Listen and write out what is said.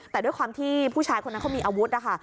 แต่ด้วยความที่ผู้ชายคนนั้นเขามีอาวุธนะคะ